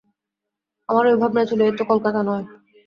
আমার ঐ এক ভাবনা ছিল, এ তো কলকাতা নয়!